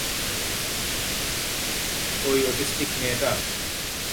ওই অটিস্টিক মেয়েটা?